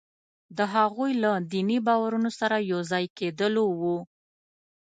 د هغوی له دیني باورونو سره یو ځای کېدلو وو.